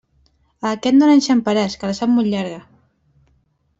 A aquest no l'enxamparàs, que la sap molt llarga.